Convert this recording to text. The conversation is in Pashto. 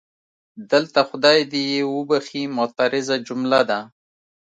دلته خدای دې یې وبښي معترضه جمله ده.